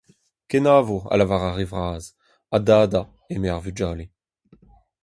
Kenavo a lavar ar re vras, a-dada eme ar vugale.